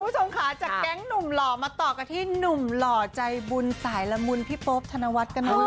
คุณผู้ชมค่ะจากแก๊งหนุ่มหล่อมาต่อกันที่หนุ่มหล่อใจบุญสายละมุนพี่โป๊บธนวัฒน์กันหน่อย